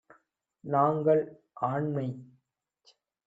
நாங்கள், ஆண்மைச்